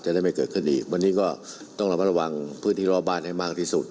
ได้ไม่เกิดขึ้นอีกวันนี้ก็ต้องระมัดระวังพื้นที่รอบบ้านให้มากที่สุด